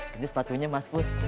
gede sepatunya mas pur